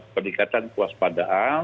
pendekatan kuas padaan